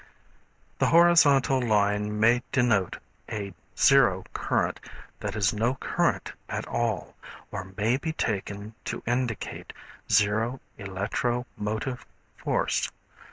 The horizontal line may denote a zero current, that is no current at all, or may be taken to indicate zero electro motive force.